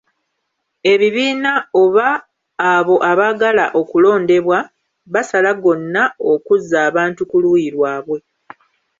Ebibiina oba abo abaagala okulondebwa, basala gonna okuzza abantu ku luuyi lwabwe.